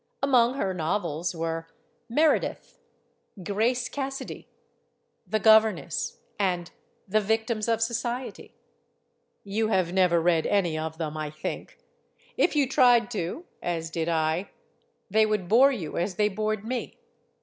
Among her novels were "Meredith," "Grace Cas "THE MOST GORGEOUS LADY BLESSINGTON" 221 sidy," "The Governess," and "The Victims of Society." You have never read any of them, I think. If you tried to, as did I, they would bore you as they bored me.